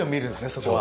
そこは。